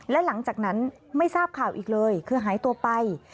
และหลังจากนั้นไม่ทราบข่าวอีกเลยคือหายตัวไป